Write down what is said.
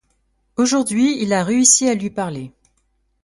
Aujourd’hui, il a réussi à lui parler.